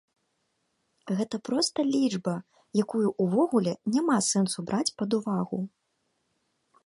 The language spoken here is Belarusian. Гэта проста лічба, якую ўвогуле няма сэнсу браць пад увагу.